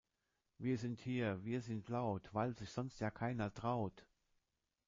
Wir sind hier, wir sind laut, weil sich sonst ja keiner traut!